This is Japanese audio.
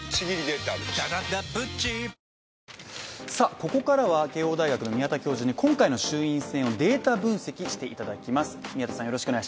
ここからは慶応義塾大学の宮田教授に今回の衆院選をデータ分析していただきます。